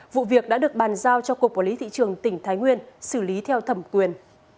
vụ việc đã được bàn giao cho cục quản lý thị trường tỉnh thái nguyên xử lý theo thẩm quyền